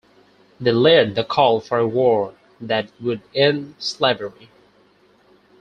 They led the call for a war that would end slavery.